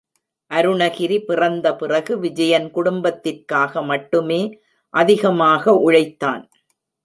அருணகிரி பிறந்த பிறகு விஜயன் குடும்பத்திற்காக மட்டுமே அதிகமாக உழைத்தான்.